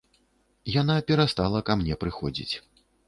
Яна перастала ка мне прыходзіць.